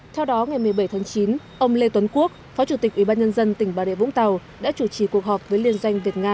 theo đó ngày một mươi bảy tháng chín ông lê tuấn quốc phó chủ tịch ủy ban nhân dân tỉnh bà rịa vũng tàu đã chủ trì cuộc họp với liên doanh việt nga